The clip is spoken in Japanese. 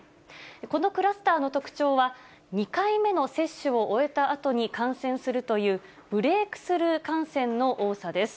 このクラスターの特徴は、２回目の接種を終えたあとに感染するというブレイクスルー感染の多さです。